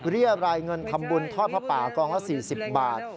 เรียกรายเงินทำบุญทอดผ้าป่ากองละ๔๐บาท